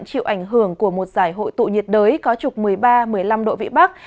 chịu ảnh hưởng của một giải hội tụ nhiệt đới có trục một mươi ba một mươi năm độ vị bắc